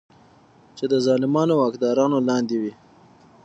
چې د ظالمو واکدارانو لاندې وي.